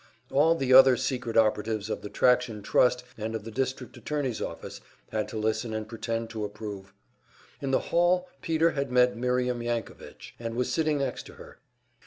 All the other secret operatives of the Traction Trust and of the district attorney's office had to listen and pretend to approve! In the hall Peter had met Miriam Yankovich, and was sitting next to her.